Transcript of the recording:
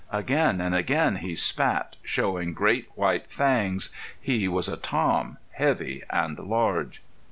Again and again he spat, showing great, white fangs. He was a Tom, heavy and large.